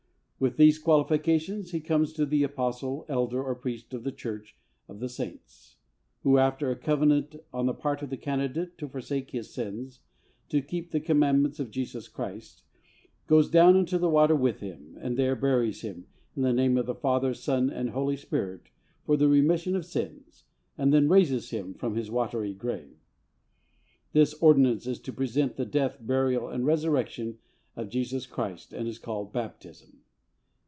With these qualifications he comes to the Apostle, Elder, or Priest of the Church of the Saints, who, after a covenant on the part of the candidate to forsake his sins, and keep the commandments of Jesus Christ, goes down into the water with him, and there buries him, in the name of the Father, Son and Holy Spirit, for remission of sins, and then raises him from his watery grave. This ordinance is to represent the death, burial and resurrection of Jesus Christ, and is called Baptism.